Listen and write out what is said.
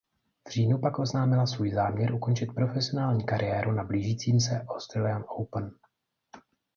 V říjnu pak oznámila svůj záměr ukončit profesionální kariéru na blížícím se Australian Open.